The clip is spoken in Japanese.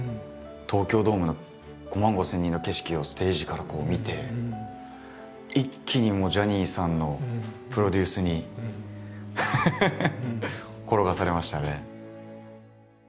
東京ドームの５万５，０００人の景色をステージからこう見て一気にジャニーさんのプロデュースに転がされましたね。